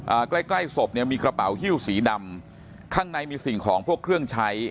ใกล้ใกล้ศพเนี่ยมีกระเป๋าฮิ้วสีดำข้างในมีสิ่งของพวกเครื่องใช้